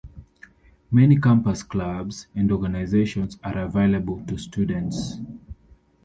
Many campus clubs and organizations are available to students.